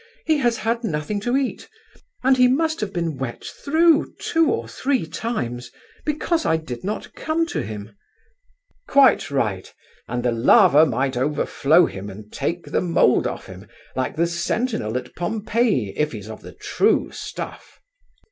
he has had nothing to eat, and he must have been wet through two or three times: because I did not come to him!" "Quite right. And the lava might overflow him and take the mould of him, like the sentinel at Pompeii, if he's of the true stuff."